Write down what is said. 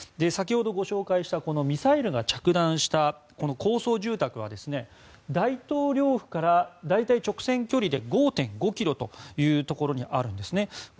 先ほど紹介したミサイルが着弾した高層住宅は大統領府から大体、直線距離で５．５ｋｍというところにあるんです。